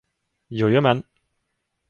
Jojomen!